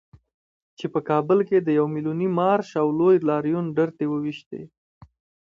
چې په کابل کې یې د يو ميليوني مارش او لوی لاريون ډرتې وويشتې.